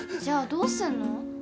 じゃあどうするの？